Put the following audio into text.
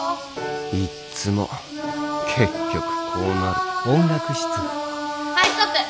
いっつも結局こうなるはいストップ。